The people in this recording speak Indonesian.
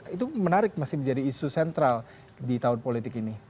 itu menarik masih menjadi isu sentral di tahun politik ini